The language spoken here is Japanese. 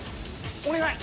お願い！